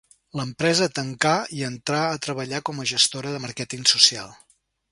L'empresa tancà i entrà a treballar com a gestora de màrqueting social.